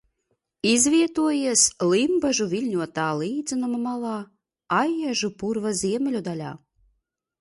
Izvietojies Limbažu viļņotā līdzenuma malā Aijažu purva ziemeļu daļā.